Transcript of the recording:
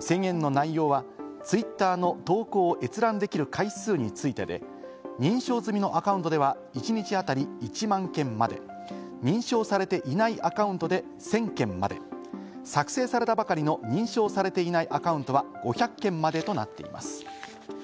制限の内容はツイッターの投稿を閲覧できる回数についてで、認証済みのアカウントでは１日当たり１万件まで、認証されていないアカウントで１０００件まで、作成されたばかりの認証されていないアカウントは５００件までとなっています。